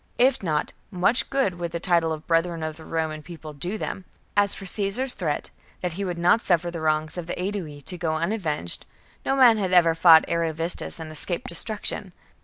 If not, much good would the title of " Brethren of the Roman People " do them ! As for Caesar's threat, that he would not suffer the wrongs of the Aedui to go unavenged, no man had ever fought Ariovistus and escaped destruction.